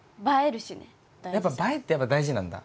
やっぱ映えって大事なんだ。